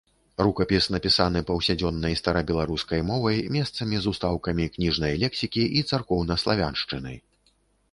Рукапіс напісаны паўсядзённай старабеларускай мовай, месцамі з устаўкамі кніжнай лексікі і царкоўнаславяншчыны.